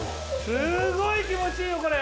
すごい気持ちいいよこれ。